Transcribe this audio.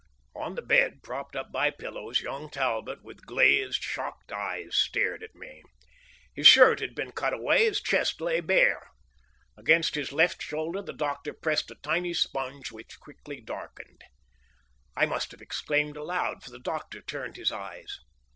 On the bed, propped up by pillows, young Talbot, with glazed, shocked eyes, stared at me. His shirt had been cut away; his chest lay bare. Against his left shoulder the doctor pressed a tiny sponge which quickly darkened. I must have exclaimed aloud, for the doctor turned his eyes.